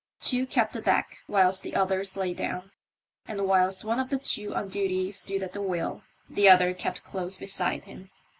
Two kept the deck whilst the others lay down, and whilst one of the two on duty stood at the wheel the other kept close beside him.